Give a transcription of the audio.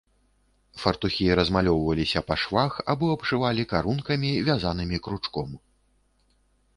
Фартухі размалёўваліся па швах або абшывалі карункамі, вязанымі кручком.